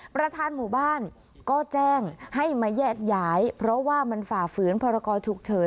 ประธานหมู่บ้านก็แจ้งให้มาแยกย้ายเพราะว่ามันฝ่าฝืนพรกรฉุกเฉิน